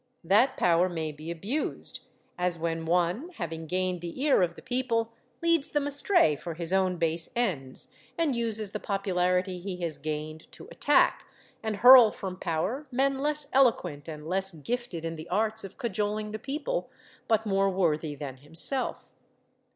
That power may be abused, as when one, having gained the ear of the people, leads them astray for his own base ends, and uses the popularity he has gained to attack, and hurl from power, men less eloquent and less gifted in the arts of cajoling the people, but more worthy than himself.